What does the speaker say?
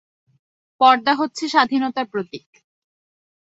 পর্দা হচ্ছে স্বাধীনতার প্রতীক।